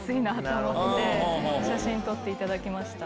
写真撮っていただきました。